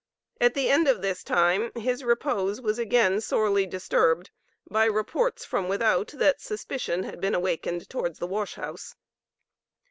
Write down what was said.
At the end of this time his repose was again sorely disturbed by reports from without that suspicion had been awakened towards the wash house.